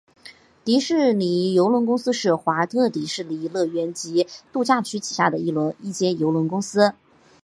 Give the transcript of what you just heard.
迪士尼邮轮公司是华特迪士尼乐园及度假区旗下的一间邮轮公司。